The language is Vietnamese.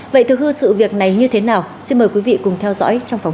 vậy thưa quý vị sự việc này như thế nào